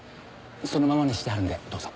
そのままにしてあるんでどうぞ。